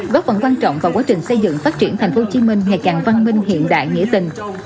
góp phần quan trọng vào quá trình xây dựng phát triển tp hcm ngày càng văn minh hiện đại nghĩa tình